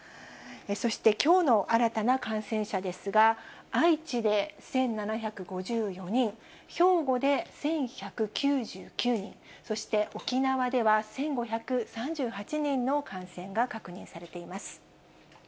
そしてきょうの新たな感染者ですが、愛知で１７５４人、兵庫で１１９９人、そして沖縄では１５３８人の感染が確認されています。